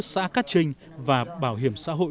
xã cát trinh và bảo hiểm xã hội